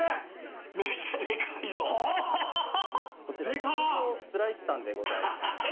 こちら特上スライスタンでございます。